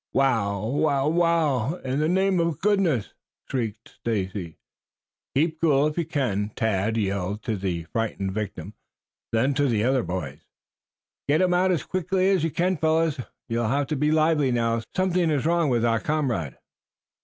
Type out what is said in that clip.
"Ow, wow! wow! In the name of goodness!" shrieked Stacy. "Keep cool, if you can!" Tad yelled to the frightened victim. Then, to the other boys: "Get him out as quickly as you can, fellows! You'll have to be lively now! Something is wrong with our comrade."